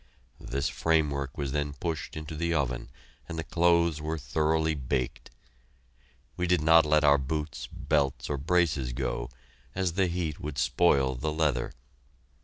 This framework was then pushed into the oven and the clothes were thoroughly baked. We did not let our boots, belts, or braces go, as the heat would spoil the leather.